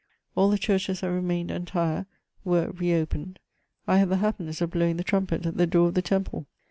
All the churches that remained entire were re opened ; I had the happiness of blowing the trumpet at the door of the temple.